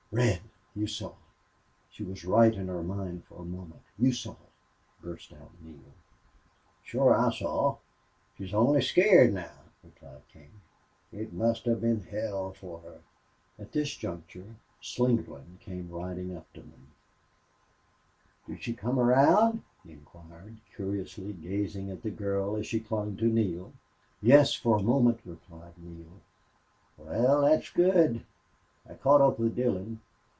"Red, you saw she was right in her mind for a moment you saw?" burst out Neale. "Shore I saw. She's only scared now," replied King. "It must hev been hell fer her." At this juncture Slingerland came riding up to them. "Did she come around?" he inquired, curiously gazing at the girl as she clung to Neale. "Yes, for a moment," replied Neale. "Wal, thet's good.... I caught up with Dillon.